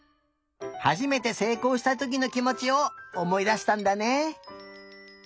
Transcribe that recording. はじめてせいこうしたときのきもちをおもいだしたんだね。